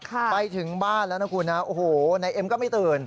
ไปถึงบ้านแล้วนะคุณนะโอ้โหนายเอ็มก็ไม่ตื่น